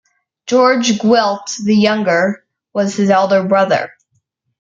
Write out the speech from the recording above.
George Gwilt the Younger, was his elder brother.